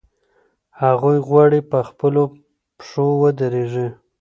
هغوی غواړي په خپلو پښو ودرېږي.